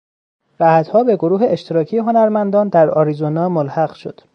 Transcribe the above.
بعدها به گروه اشتراکی هنرمندان در آریزونا ملحق شد.